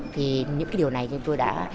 thì những cái điều này tôi đã